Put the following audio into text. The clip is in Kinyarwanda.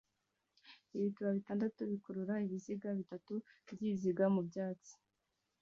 Ibituba bitandatu bikurura ibiziga bitatu byiziga mu byatsi